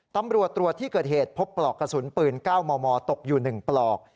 ตำรวจตรวจที่เกิดเหตุพบปลอกกระสุนปืน๙มมตกอยู่๑ปลอก